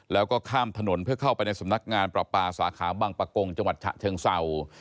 แล้วก็ข้ามถนนเพื่อเข้าไปในสำนักงานประปาสาขาบังปะกงจังหวัดฉะเชิงเศร้า